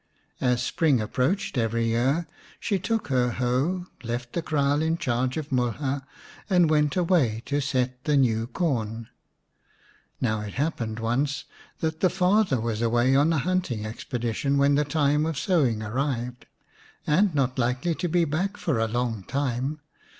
As spring approached every year she took her hoe, left the kraal in charge of Mulha, and went away to set the new corn. Now it happened once that the father was away on a hunting expedition when the time of sowing arrived, and not likely to be back for a long time.